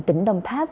tỉnh đông tháp